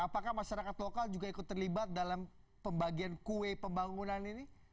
apakah masyarakat lokal juga ikut terlibat dalam pembagian kue pembangunan ini